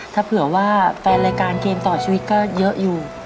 ถ้าเผื่อว่าแฟนรายการเกมต่อชีวิตก็เยอะอยู่